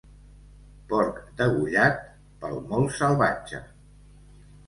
Porc degollat pel molt salvatge.